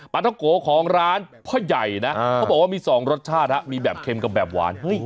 ท้องโกของร้านพ่อใหญ่นะเขาบอกว่ามี๒รสชาติมีแบบเค็มกับแบบหวาน